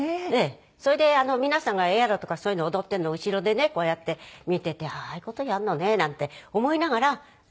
それで皆さんがエアロとかそういうのを踊ってるのを後ろでねこうやって見ててああいう事やるのねなんて思いながらお家帰って。